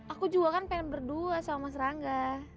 aku juga kan pengen berdua sama mas rangga